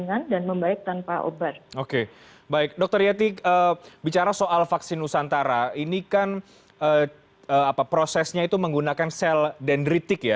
baik dokter yeti bicara soal vaksin nusantara ini kan prosesnya itu menggunakan sel dendritik ya